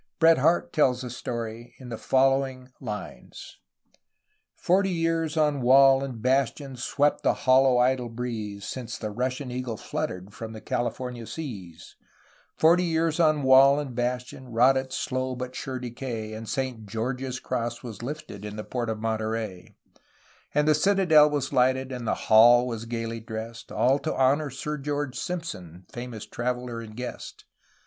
Bret Harte tells the story in the following lines: ''Forty years on wall and bastion swept the hollow idle breeze, Since the Russian eagle fluttered from the California seas; Forty years on wall and bastion wrought its slow but sure decay, And St. George's cross was lifted in the port of Monterey; And the citadel was lighted, and the hall was gayly drest. All to honor Sir George Simpson, famous traveler and guest.